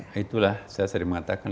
literasi itu adalah hal yang sangat penting